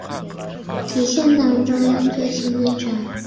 体现党中央最新精神